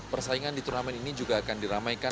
persaingan di turnamen ini juga akan diramaikan